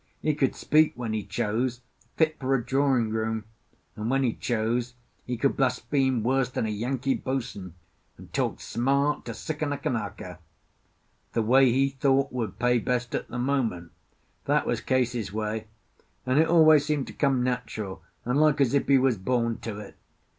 He could speak, when he chose, fit for a drawing room; and when he chose he could blaspheme worse than a Yankee boatswain, and talk smart to sicken a Kanaka. The way he thought would pay best at the moment, that was Case's way, and it always seemed to come natural, and like as if he was born to it.